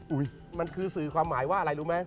มันคือสื่อความหมายว่าอะไรรู้ไหม